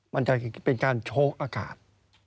มันเป็นการโชคอากาศ